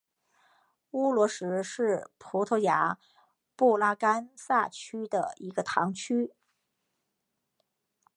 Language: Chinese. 乌罗什是葡萄牙布拉干萨区的一个堂区。